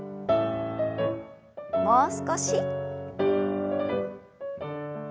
もう少し。